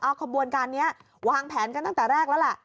อ้าวขบวนการเนี่ยวางแผนกันตั้งแต่แรกแล้วล่ะ